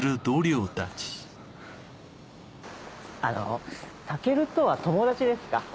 あのタケルとは友達ですか？